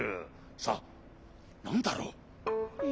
さあなんだろう？